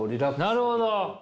なるほど！